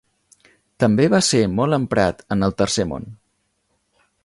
També va ser molt emprat en el Tercer Món.